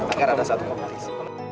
agar ada satu kompetisi